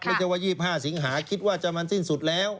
ไม่ใช่ว่า๒๕สิงหาคิดว่าจะมันสิ้นสุดแล้ว